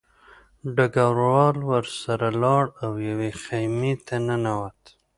ډګروال ورسره لاړ او یوې خیمې ته ننوت